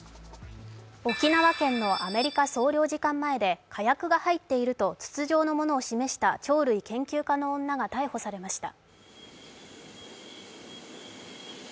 沖縄県のアメリカ総領事館前で火薬が入っていると筒状のものを示したチョウ類研究家の女が逮捕されました。